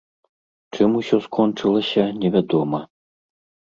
Чым усё скончылася, невядома.